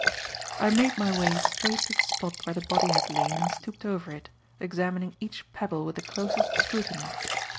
I made my way straight to the spot where the body had lain and stooped over it, examining each pebble with the closest scrutiny.